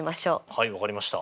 はい分かりました。